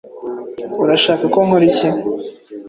Urashaka ko nkora iki?